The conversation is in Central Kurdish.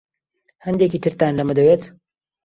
هەندێکی ترتان لەمە دەوێت؟